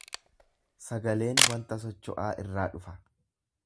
Sagaleen wanta socho’aa irraa dhufa.